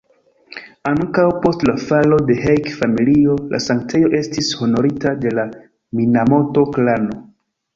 Ankaŭ post la falo de Heike-Familio, la sanktejo estis honorita de la Minamoto-klano.